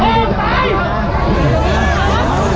สวัสดีครับทุกคน